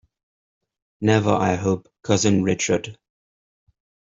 Never, I hope, cousin Richard!